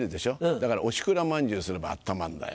だからおしくらまんじゅうすれば温まんのよ。